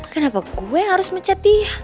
kenapa gue yang harus mecat dia